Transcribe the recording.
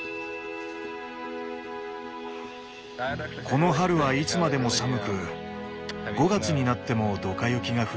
この春はいつまでも寒く５月になってもドカ雪が降りました。